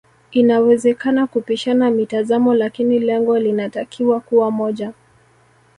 Inawezakana kupishana mitazamo lakini lengo linatakiwa kuwa moja